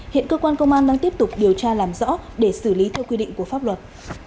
hiện cơ quan công an đang tiếp tục điều tra làm rõ để xử lý theo quy định của pháp luật